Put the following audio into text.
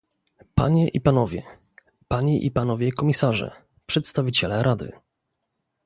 Panie i panowie, panie i panowie komisarze, przedstawiciele Rady